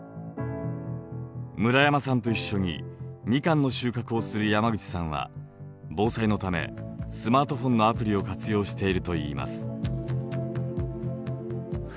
村山さんと一緒にミカンの収穫をする山口さんは防災のためスマートフォンのアプリを活用しているといいます。